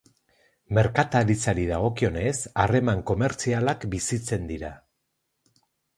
Merkataritzari dagokionez, harreman komertzialak bizitzen dira.